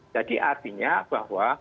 jadi artinya bahwa